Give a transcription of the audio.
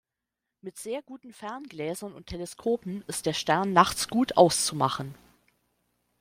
Mit sehr guten Ferngläsern und Teleskopen ist der Stern nachts gut auszumachen.